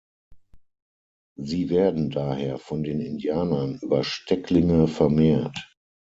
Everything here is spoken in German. Sie werden daher von den Indianern über Stecklinge vermehrt.